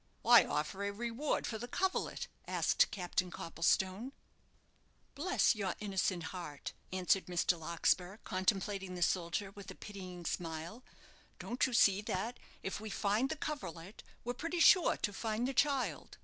"Why offer a reward for the coverlet?" asked Captain Copplestone. "Bless your innocent heart!" answered Mr. Larkspur, contemplating the soldier with a pitying smile; "don't you see that, if we find the coverlet, we're pretty sure to find the child?